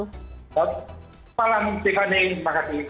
selamat malam tiffany terima kasih